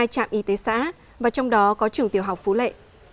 hai trạm y tế xã và trong đó có trường tiểu học phú lệ